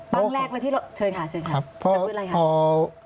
ปั้งแรกละที่ลาบเชิญค่ะครับ